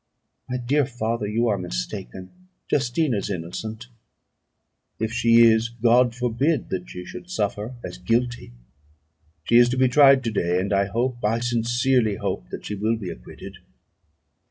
"My dear father, you are mistaken; Justine is innocent." "If she is, God forbid that she should suffer as guilty. She is to be tried to day, and I hope, I sincerely hope, that she will be acquitted."